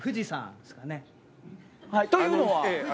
というのは。